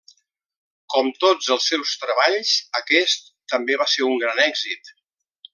Com tots els seus treballs, aquest també va ser un gran èxit.